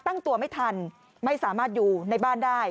ตั้งตัวไม่ทันไม่สามารถอยู่ในบ้านได้